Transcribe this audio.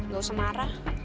gak usah marah